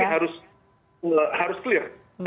tetapi harus clear